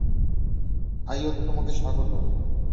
আইয়োতে তোমায় স্বাগতম।